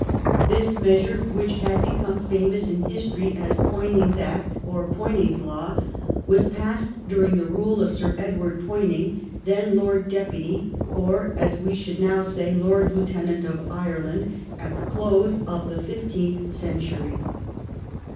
This measure, which has become famous in history as Poyning's Act or Poyning's Law, was passed during the rule of Sir Edward Poyning, then Lord Deputy or, as we should now say. Lord Lieutenant of Ireland, at the close of the fifteenth century.